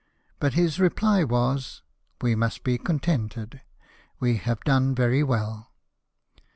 But his reply was^"We must be con tented, we have done very well."